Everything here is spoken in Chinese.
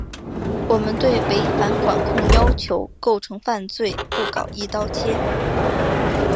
我们对违反管控要求构成犯罪不搞‘一刀切’